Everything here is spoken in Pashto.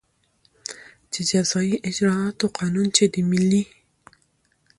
د جزایي اجراآتو قانون چې د ملي